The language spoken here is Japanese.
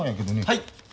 はい。